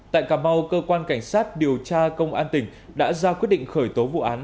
tại cà mau cơ quan cảnh sát điều tra công an tỉnh đã ra quyết định khởi tố vụ án